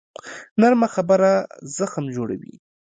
نرمه خبره زخم جوړوي